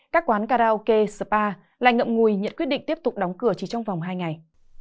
các quán karaoke spa lại ngậm ngùi nhận quyết định tiếp tục đóng cửa chỉ trong vòng hai ngày